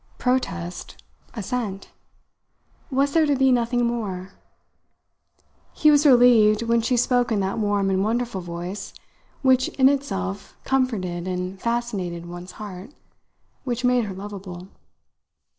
Protest? Assent? Was there to be nothing more? He was relieved when she spoke in that warm and wonderful voice which in itself comforted and fascinated one's heart, which made her lovable.